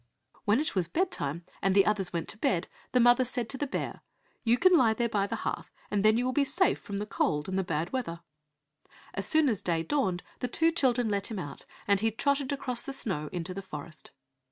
When it was bed time, and the others went to bed, the mother said to the bear, "You can lie there by the hearth, and then you will be safe from the cold and the bad weather." As soon as day dawned the two children let him out, and he trotted across the snow into the forest.